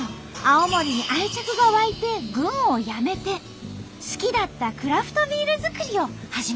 青森に愛着が湧いて軍を辞めて好きだったクラフトビール作りを始めたんだって。